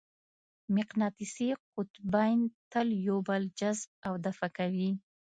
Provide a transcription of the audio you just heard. مقناطیسي قطبین تل یو بل جذب او دفع کوي.